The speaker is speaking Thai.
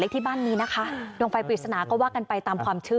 ที่บ้านนี้นะคะดวงไฟปริศนาก็ว่ากันไปตามความเชื่อ